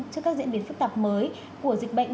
trước các diễn biến phức tạp mới của dịch bệnh